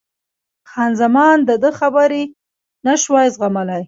خان زمان د ده خبرې نه شوای زغملای.